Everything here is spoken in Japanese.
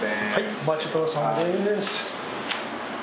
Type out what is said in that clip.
お待ちどおさまです。